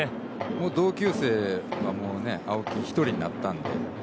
もう同級生青木１人になったので。